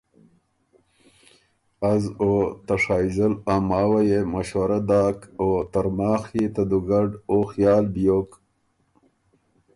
از او ته شائزل ا ماوه يې مشوره داک او ترماخ يې ته دُوګډ او خیال بیوک۔